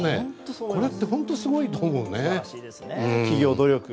これって本当にすごいと思う。